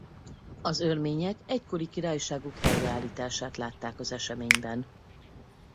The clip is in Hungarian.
Az örmények egykori királyságuk helyreállítását látták az eseményben.